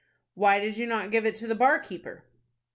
"Why did you not give it to the bar keeper?"